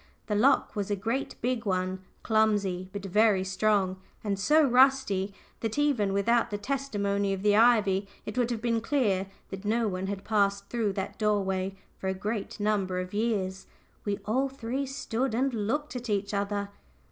The lock was a great big one, clumsy, but very strong, and so rusty that, even without the testimony of the ivy, it would have been clear that no one had passed through that doorway for a great number of years. We all three stood and looked at each other.